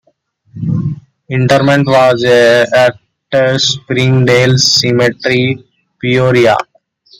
Interment was at Springdale Cemetery, Peoria.